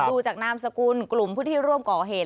ดูจากนามสกุลกลุ่มผู้ที่ร่วมก่อเหตุ